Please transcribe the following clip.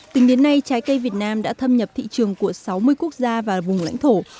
tính đến nay trái cây việt nam đã thâm nhập thị trường của sáu mươi quốc gia và vùng lãnh thổ